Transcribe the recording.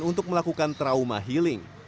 untuk melakukan trauma healing